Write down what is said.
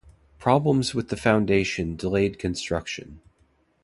Problems with the foundation delayed construction.